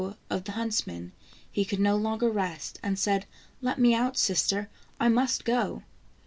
'' of the huntsmen, he could no longer rest, and said :" Let me out, sister, I must go."